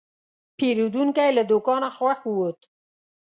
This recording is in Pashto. پیرودونکی له دوکانه خوښ ووت.